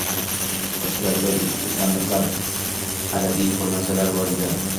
Ichkarida eski sandiqlar, arabiy xurmachalar bor edi.